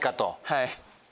はい。